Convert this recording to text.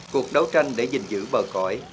cuộc đấu tranh để giữ bờ cõi